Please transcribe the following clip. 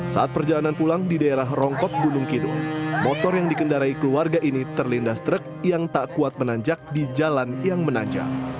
saat perjalanan pulang di daerah rongkot gunung kidul motor yang dikendarai keluarga ini terlindas truk yang tak kuat menanjak di jalan yang menanjak